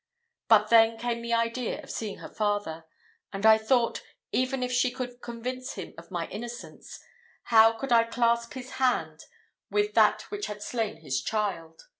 But then came the idea of seeing her father; and I thought, even if she could convince him of my innocence, how could I clasp his hand with that which had slain his child.